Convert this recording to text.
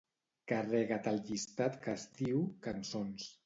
Carrega't el llistat que es diu "cançons".